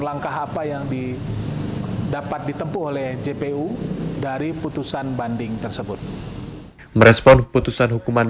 langkah apa yang di dapat ditempuh oleh jpu dari putusan banding tersebut merespon putusan hukuman